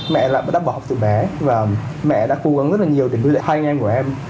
mẹ đã bỏ học từ bé và mẹ đã cố gắng rất là nhiều để nuôi dạy hai anh em của em